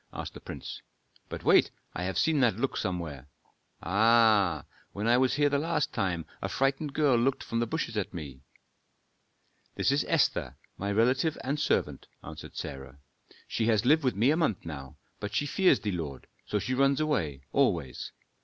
asked the prince. "But wait I have seen that look somewhere. Ah! when I was here the last time a frightened girl looked from the bushes at me." "This is Esther, my relative and servant," answered Sarah. "She has lived with me a month now, but she fears thee, lord, so she runs away always.